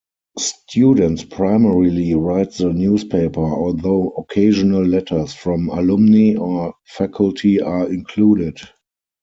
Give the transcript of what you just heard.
Students primarily write the newspaper, although occasional letters from alumni or faculty are included.